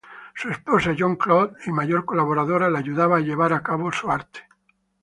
Su esposa Jeanne-Claudde y mayor colaboradora le ayudaba llevar a cabo su arte.